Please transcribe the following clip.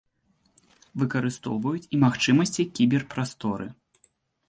Выкарыстоўваюць і магчымасці кібер-прасторы.